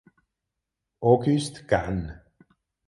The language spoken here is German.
August Cannes.